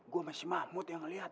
gua sama si mahmud yang ngelihat